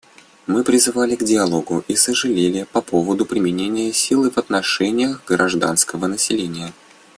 Мы призывали к диалогу и сожалели по поводу применения силы в отношении гражданского населения.